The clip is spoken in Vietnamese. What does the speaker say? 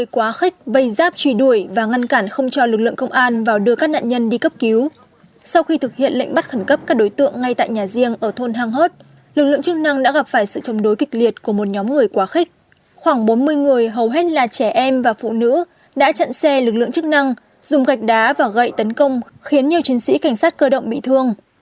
khoảng bốn mươi người hầu hết là trẻ em và phụ nữ đã chặn xe lực lượng chức năng dùng gạch đá và gậy tấn công khiến nhiều chiến sĩ cảnh sát cơ động bị thương